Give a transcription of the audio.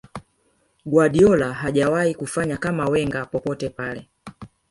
guardiola hajawahi kufanya kama wenger popote pale